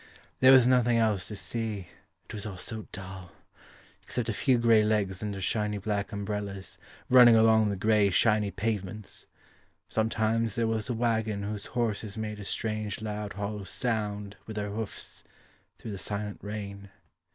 There was nothing else to see It was all so dull Except a few grey legs under shiny black umbrellas Running along the grey shiny pavements; Sometimes there was a waggon Whose horses made a strange loud hollow sound With their hoofs Through the silent rain.